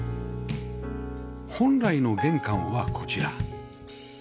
本来の玄関はこちら